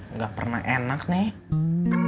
nggak pernah enak nek